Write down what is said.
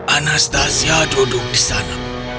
anastasia duduk di sana